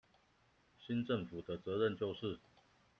新政府的責任就是